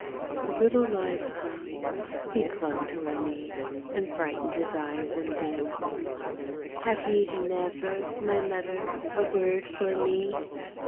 The little live son he clung to her knee — And frightened his eyes and dim —" Have ye never,, my mother, a word for me?